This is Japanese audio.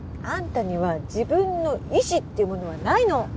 あんたには自分の意思っていうものはないの？